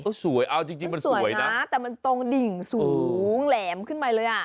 เขาสวยเอาจริงมันสวยนะแต่มันตรงดิ่งสูงแหลมขึ้นไปเลยอ่ะ